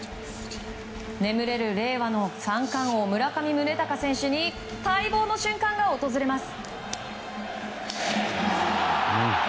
眠れる令和の三冠王村上宗隆選手に待望の瞬間が訪れます。